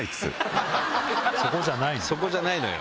そこじゃないのよ。